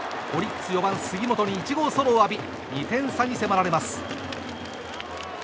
オリックス４番、杉本に１号ソロを浴び２点差に迫られます。